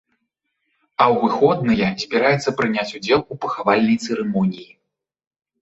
А ў выходныя збіраецца прыняць удзел у пахавальнай цырымоніі.